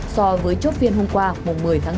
so với chốt phiên hôm qua một mươi tháng hai